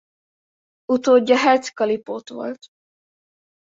Utódja Hertzka Lipót volt.